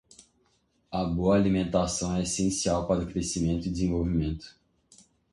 A boa alimentação é essencial para o crescimento e desenvolvimento.